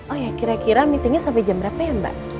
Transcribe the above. oh ya kira kira meetingnya sampai jam berapa ya mbak